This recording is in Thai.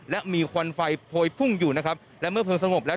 และมีควันไฟโพยพุ่งอยู่นะครับและเมื่อเพลิงสงบแล้ว